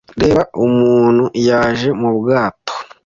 Reba umuntu yaje mu bwato